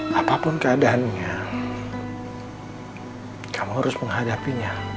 kamu bukan melarikan diri